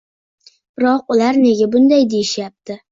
Biroq ular nega bunday deyishyapti